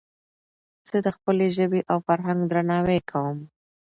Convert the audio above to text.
زه د خپلي ژبي او فرهنګ درناوی کوم.